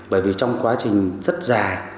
bởi vì trong quá trình rất dài